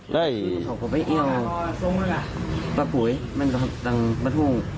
เขาก็ไปเอาปลาผวยมันก็ตั้งปลาทุ่ง